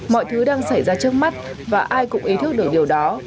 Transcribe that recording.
mọi thứ đang xảy ra trước mắt và ai cũng ý thức được điều đó